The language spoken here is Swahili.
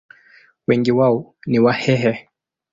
Wengi wao ni Wahehe.